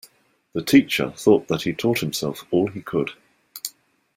The teacher thought that he'd taught himself all he could.